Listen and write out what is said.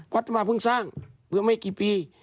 วัดธรรมพึ่งสร้างเผื่อไม่กี่ปี